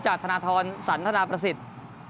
จากธนทรสันธนประสิทธิ์